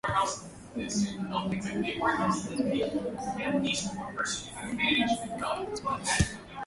Uganda na Jamhuri ya Kidemokrasi ya Kongo Jumatano ziliongeza mikakati ya pamoja ya kijeshi